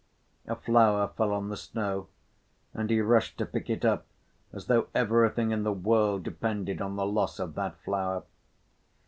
A flower fell on the snow and he rushed to pick it up as though everything in the world depended on the loss of that flower.